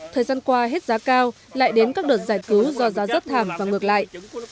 thời gian qua hết giá cao lại đến các đợt giải cứu do giá rất thảm và ngược lại